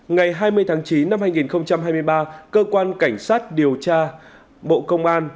ngày hai mươi tháng chín năm hai nghìn hai mươi ba cơ quan cảnh sát điều tra bộ công an